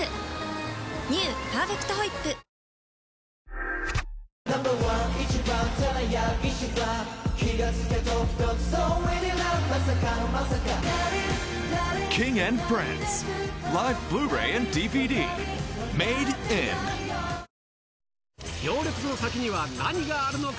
「パーフェクトホイップ」行列の先には何があるのか？